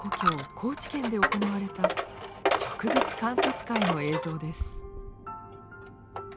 高知県で行われた植物観察会の映像です。